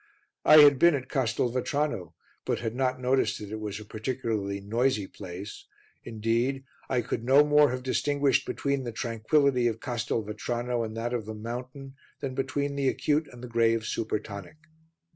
I had been at Castelvetrano, but had not noticed that it was a particularly noisy place, indeed, I could no more have distinguished between the tranquillity of Castelvetrano and that of the mountain than between the acute and the grave supertonic.